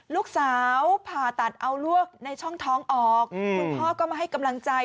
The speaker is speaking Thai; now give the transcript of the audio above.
ลูกสาวผ่าตัดเอาลวกในช่องท้องออกคุณพ่อก็มาให้กำลังใจ